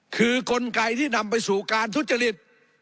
คือกลไกที่นำไปสู่การทุจริต